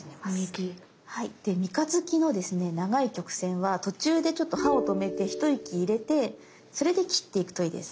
で三日月の長い曲線は途中でちょっと刃を止めて一息入れてそれで切っていくといいです。